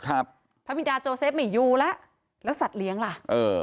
พระบิดาโจเซฟไม่อยู่แล้วแล้วสัตว์เลี้ยงล่ะเออ